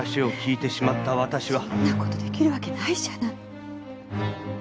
そんな事出来るわけないじゃない！